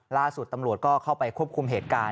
ล่าสุดตำรวจก็เข้าไปควบคุมเหตุการณ์